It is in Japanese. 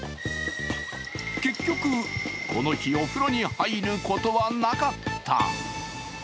結局、この日お風呂に入ることはなかった。